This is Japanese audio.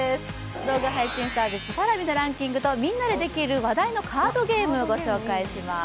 動画配信サービス・Ｐａｒａｖｉのランキングとみんなでできる話題のカードゲーム御紹介します。